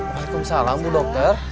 waalaikumsalam bu dokter